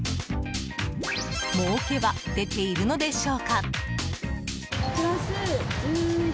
もうけは出ているのでしょうか？